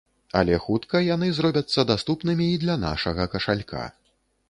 Але хутка яны зробяцца даступнымі і для нашага кашалька.